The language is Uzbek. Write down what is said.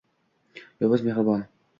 Yovuz mehribon.